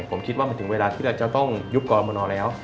ผมคิดว่ามันถึงเวลาที่เราจะต้องยุบกรมนแล้ว